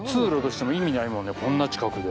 こんな近くで。